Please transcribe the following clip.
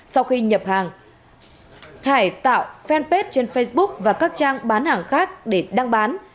sau khi nhập hàng hải tạo fanpage trên facebook và các trang bán hàng khác để đăng bán